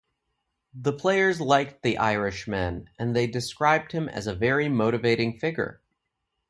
The players liked the Irishman and they described him as a very motivating figure.